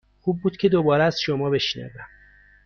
خوب بود که دوباره از شما بشنوم.